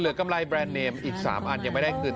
กำไรแรนดเนมอีก๓อันยังไม่ได้คืน